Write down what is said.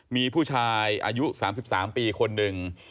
มีผู้ชายอายุ๓๓ปีคนหนึ่ง